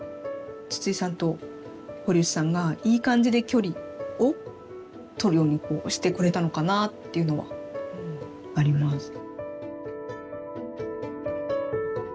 筒井さんと堀内さんがいい感じで距離を取るようにこうしてくれたのかなっていうのはあります。